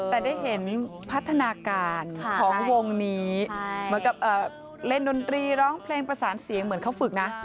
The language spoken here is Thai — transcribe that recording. แต่ได้เห็นพัฒนาการของวงนี้เหมือนกับเล่นดนตรีร้องเพลงประสานเสียงเหมือนเขาฝึกนะ